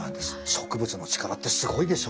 植物の力ってすごいでしょ。